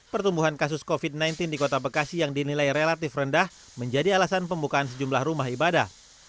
pertumbuhan kasus covid sembilan belas di kota bekasi yang dinilai relatif rendah menjadi alasan pembukaan sejumlah rumah ibadah